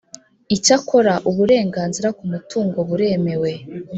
Icyakora uburenganzira ku mutungo buremewe